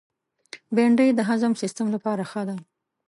بېنډۍ د هضم سیستم لپاره ښه ده